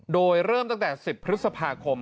โดยเริ่มตั้งแต่๑๐พฤษภาคม